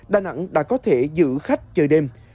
đà nẵng đã có thể giữ khách trời đêm